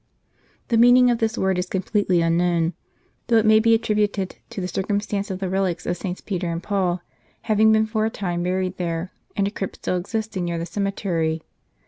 t The meaning of this word is com pletely unknown ; though it may be attributed to the circum stance of the relics of SS. Peter and Paul having been for a time buried there, in a crypt still existing near the cemetery.